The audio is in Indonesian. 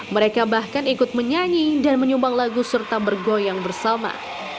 mereka bahkan ikut menyanyi dan menyumbang lagu serta bergoyang bersama